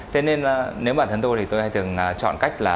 thế nên nếu bản thân tôi thì tôi hay thường chọn cách là